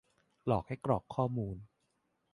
- หลอกให้กรอกข้อมูล